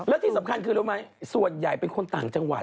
และที่สำคัญคือรู้ไหมส่วนใหญ่เป็นคนต่างจังหวัด